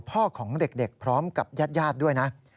พ่อของเด็กพร้อมกับญาติด้วยนะ